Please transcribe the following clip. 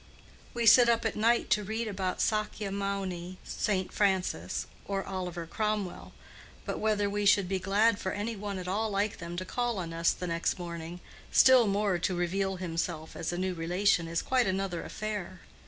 We sit up at night to read about Sakya Mouni, St. Francis, or Oliver Cromwell; but whether we should be glad for any one at all like them to call on us the next morning, still more, to reveal himself as a new relation, is quite another affair.